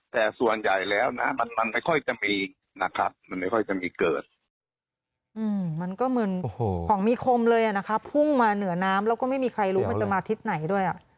แต่ส่วนใหญ่แล้วนะมันไม่ค่อยจะมีนะครับมันไม่ค่อยจะมีเกิด